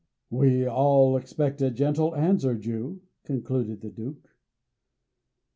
"We all expect a gentle answer, Jew," concluded the Duke.